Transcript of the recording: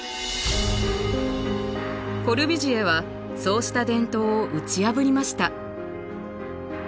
コルビュジエはそうした伝統を打ち破りました。